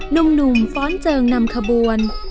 หนุ่มฟ้อนเจิงนำขบวน